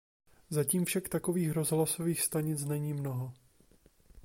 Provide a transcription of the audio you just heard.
Zatím však takových rozhlasových stanic není mnoho.